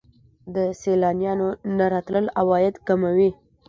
د سیلانیانو نه راتلل عواید کموي.